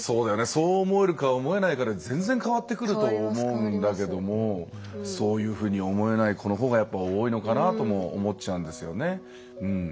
そう思えるか思えないかで全然変わってくると思うんだけどもそういうふうに思えない子のほうがやっぱ多いのかなとも思っちゃうんですよね。